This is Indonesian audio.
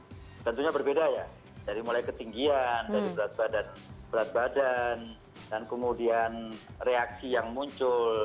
ya tentunya berbeda ya dari mulai ketinggian dari berat badan dan kemudian reaksi yang muncul